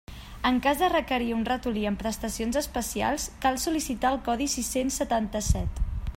En cas de requerir un ratolí amb prestacions especials cal sol·licitar el codi sis-cents setanta-set.